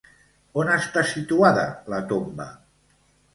On està situada la tomba?